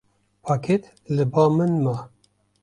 Pakêt li ba min ma.